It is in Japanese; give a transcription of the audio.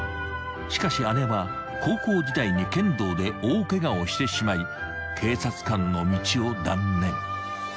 ［しかし姉は高校時代に剣道で大ケガをしてしまい警察官の道を断念］